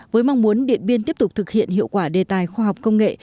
với mong muốn điện biên tiếp tục thực hiện hiệu quả đề tài khoa học công nghệ